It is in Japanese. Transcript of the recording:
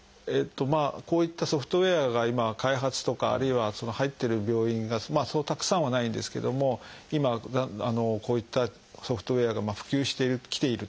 まあこういったソフトウエアが今開発とかあるいは入ってる病院がそうたくさんはないんですけども今こういったソフトウエアが普及してきているという状況です。